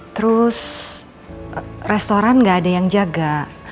terus restoran nggak ada yang jaga